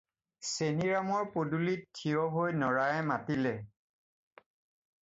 চেনিৰামৰ পদূলিত থিয় হৈ নৰায়ে মাতিলে।